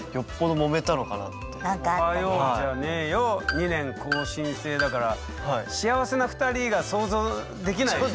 「２年更新制」だから幸せな２人が想像できないですよね。